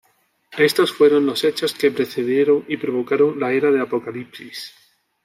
Estos fueron los hechos que precedieron y provocaron la Era de Apocalipsis.